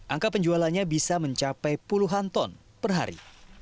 angka penjualannya bisa mencapai puluhan ton per hari